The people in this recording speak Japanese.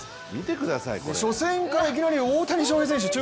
初戦からいきなり大谷翔平選手？